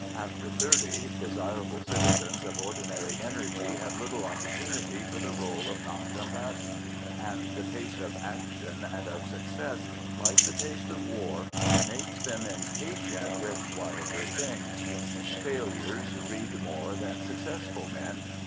After thirty, desirable citizens of ordinary energy have little opportunity for the role of noncombatant, and the taste of action and of success, like the taste of war, makes them impatient with quieter things. Failures read more than successful men.